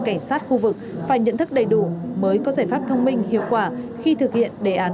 cảnh sát khu vực phải nhận thức đầy đủ mới có giải pháp thông minh hiệu quả khi thực hiện đề án